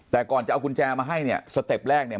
แต่ก่อนจะเอากุญแจมาให้เนี่ยสเต็ปแรกเนี่ย